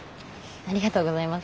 ありがとうございます。